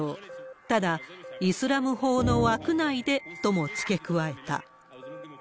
ただ、イスラム法の枠内でとも付け加えた。